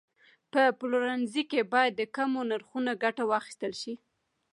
په پلورنځي کې باید د کمو نرخونو ګټه واخیستل شي.